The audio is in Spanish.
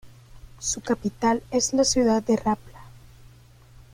Su capital es la ciudad de Rapla.